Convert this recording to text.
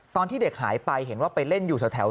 ตอนที่เด็กหายไปเห็นว่าไปเล่นอยู่แถว